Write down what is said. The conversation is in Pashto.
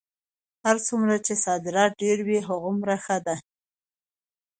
هر څومره چې صادرات ډېر وي هغومره ښه ده.